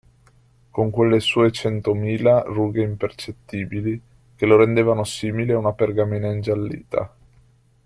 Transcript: Con quelle sue centomila rughe impercettibili, che lo rendevano simile a una pergamena ingiallita.